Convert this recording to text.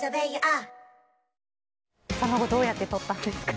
その後どうやって取ったんですかね。